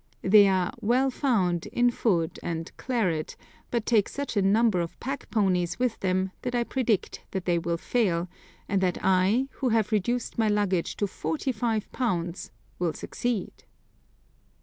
They are "well found" in food and claret, but take such a number of pack ponies with them that I predict that they will fail, and that I, who have reduced my luggage to 45 lbs., will succeed!